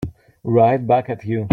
Right back at you.